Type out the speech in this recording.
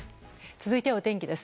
続いてはお天気です。